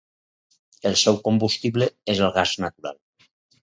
El seu combustible és el gas natural.